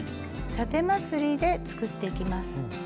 たてまつりで作っていきます。